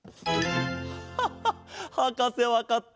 ハハッはかせわかった。